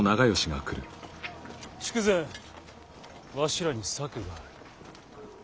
筑前わしらに策がある。